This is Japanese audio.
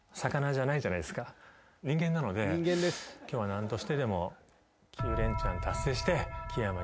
今日は何としてでも。